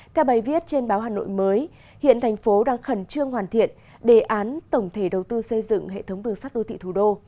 theo bài viết trên báo hà nội mới hiện thành phố đang khẩn trương hoàn thiện đề án tổng thể đầu tư xây dựng hệ thống đường sắt đô thị thủ đô